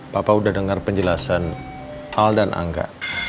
bapak udah dengar penjelasan al dan angga